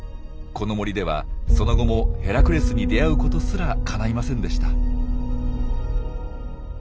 この森ではその後もヘラクレスに出会うことすらかないませんでした。